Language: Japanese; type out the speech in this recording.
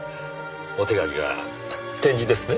お手紙は点字ですね。